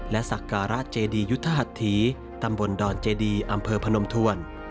และสักการะเจดียุทธหัสถีตำบลดอนเจดีอำเภอพนมทวน